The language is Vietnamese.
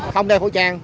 không đeo khẩu trang